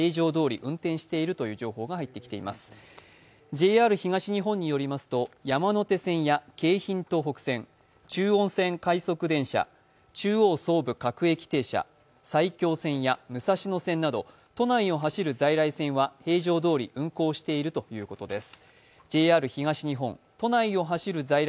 ＪＲ東日本によりますと山手線や京浜東北線、中央線快速電車、中央総武各駅停車、埼京線や武蔵野線など都内を走る在来線は平常どおり運行しているということです。